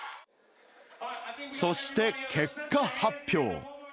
そして結果発表。